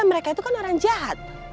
mereka itu kan orang jahat